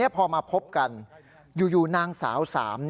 พอพบกันอยู่นางสาว๓